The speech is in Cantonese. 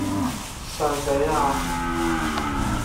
尚比亞